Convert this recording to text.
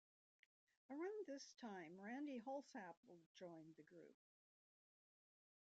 Around this time, Randy Holsapple joined the group.